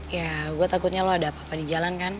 ya gue takutnya lo ada apa apa di jalan kan